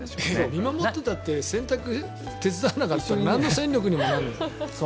見守ってたって洗濯、手伝わなかったらなんの戦力にもならない。